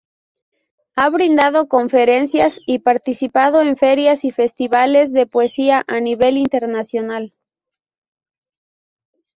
Ha brindado conferencias y participado en ferias y festivales de poesía a nivel internacional.